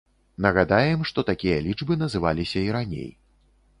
Нагадаем, што такія лічбы называліся і раней.